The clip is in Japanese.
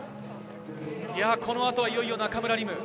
この後、いよいよ中村輪夢。